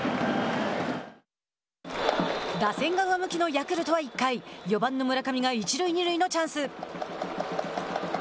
打線が上向きのヤクルトは１回４番の村上が一塁二塁のチャンス。